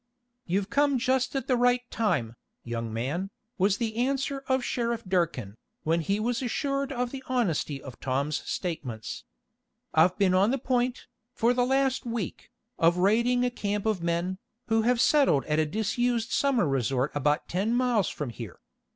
"You've come just at the right time, young man," was the answer of Sheriff Durkin, when he was assured of the honesty of Tom's statements. "I've been on the point, for the last week, of raiding a camp of men, who have settled at a disused summer resort about ten miles from here.